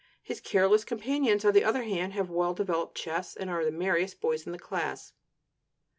His careless companions, on the other hand, have well developed chests, and are the merriest boys in the class.